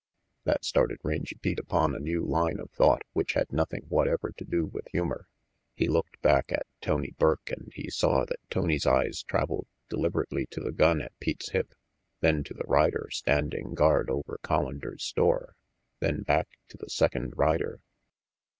That started Rangy Pete upon a new line of thought which had nothing whatever to do with humor. He looked back at Tony Burke, and he saw that Tony's eyes traveled deliberately to the gun at Pete's hip, then to the rider standing guard over Collander's store, then back to the second rider.